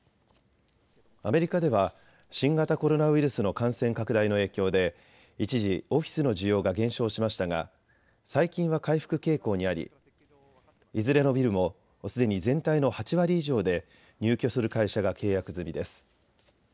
アメリカでは新型コロナウイルスの感染拡大の影響で一時、オフィスの需要が減少しましたが最近は回復傾向にありいずれのビルもすでに全体の８割以上で入居する会社が契約済みです。